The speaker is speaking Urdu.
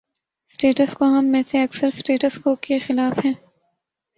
’سٹیٹس کو‘ ہم میں سے اکثر 'سٹیٹس کو‘ کے خلاف ہیں۔